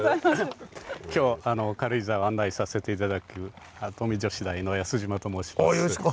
今日軽井沢を案内させて頂く跡見女子大の安島と申します。